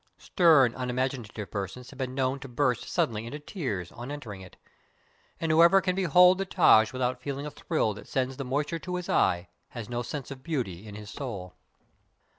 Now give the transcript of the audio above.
Stern, unimaginative persons have been known to burst sud denly into tears, on entering it; and whoever can behold the Taj without feeling a thrill that sends the moisture to his eye, has no sense of beauty in his soul.